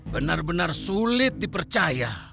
benar benar sulit dipercaya